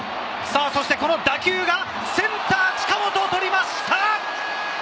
この打球はセンター・近本が取りました！